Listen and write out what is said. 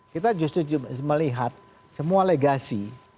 kita justru melihat semua legasi